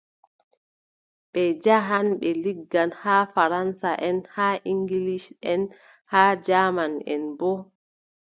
Ɓe njaahan ɓe liggan, haa faransaʼen haa iŋgilisʼen haa jaamanʼen boo .